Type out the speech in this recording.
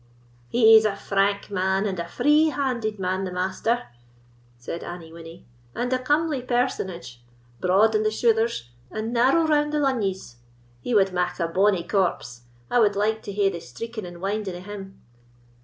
"He's a frank man, and a free handed man, the Master," said Annie Winnie, "and a comely personage—broad in the shouthers, and narrow around the lunyies. He wad mak a bonny corpse; I wad like to hae the streiking and winding o' him."